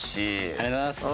ありがとうございます。